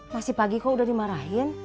masih pagi kok udah dimarahin